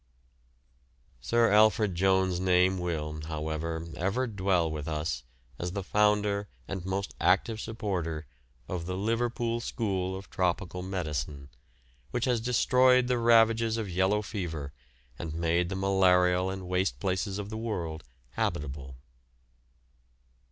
Sir Alfred Jones' name will, however, ever dwell with us as the founder and most active supporter of the Liverpool School of Tropical Medicine, which has destroyed the ravages of yellow fever and made the malarial and waste places of the world habitable.